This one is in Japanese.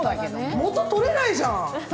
元取れないじゃん。